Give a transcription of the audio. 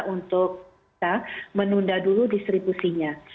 untuk kita menunda dulu distribusinya